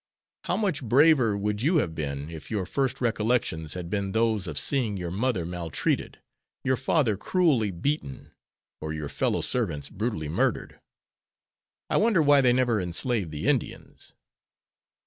How much braver would you have been, if your first recollections had been those of seeing your mother maltreated, your father cruelly beaten, or your fellow servants brutally murdered? I wonder why they never enslaved the Indians!"